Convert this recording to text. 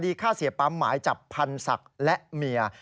ฆ่าเสียปั๊มหมายจับพันธุศักดิ์และเมีย